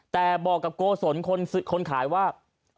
แต่บอกกับโกศลคนขายว่า